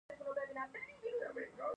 په لومړني وضعیت کې هر فرد خپله ګټه ویني.